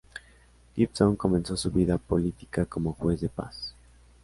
Gibson comenzó su vida política como juez de paz.